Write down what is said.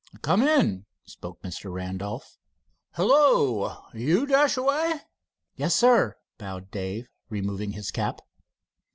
"Come in," spoke Mr. Randolph. "Hello, you, Dashaway?" "Yes, Sir," bowed Dave, removing his cap.